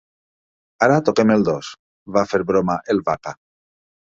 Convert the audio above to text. Ara toquem el dos! —va fer broma el Vaca.